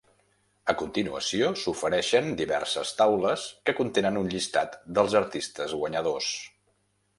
A continuació s'ofereixen diverses taules que contenen un llistat dels artistes guanyadors.